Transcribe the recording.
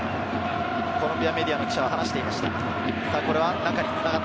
コロンビアメディアの記者は話していました。